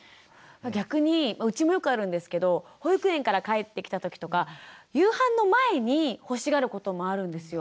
逆にうちもよくあるんですけど保育園から帰ってきた時とか夕飯の前に欲しがることもあるんですよ。